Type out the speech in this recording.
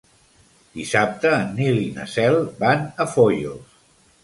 Dissabte en Nil i na Cel van a Foios.